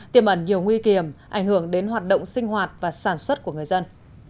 tiềm ẩn nhiều nguy kiểm ảnh hưởng đến hoạt động sinh hoạt và sản xuất của người dân